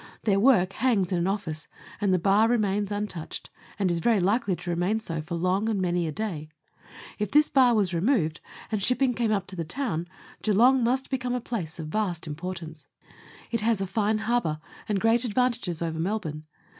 Their work hangs in an office, and the bar remains untouched, and is very likely to remain so for long and many a day. If this bar was removed, and shipping came up to the town, Geelong must become a place of vast importance. It has a fine harbour, and great advantages over Melbourne.